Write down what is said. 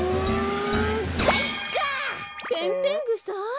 ペンペンぐさ！？